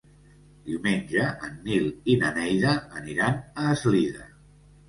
Diumenge en Nil i na Neida aniran a Eslida.